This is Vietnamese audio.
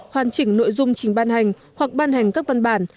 hoàn chỉnh nội dung trình ban hành hoặc ban hành các văn bản